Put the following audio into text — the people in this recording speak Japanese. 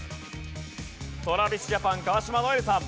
ＴｒａｖｉｓＪａｐａｎ川島如恵留さん。